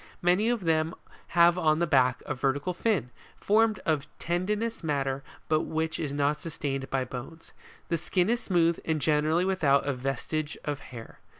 Many of them have on the back a vertical fin, formed of tendinous matter but which is not sustained by bones. The skin is smooth, and generally without a vestige of hair.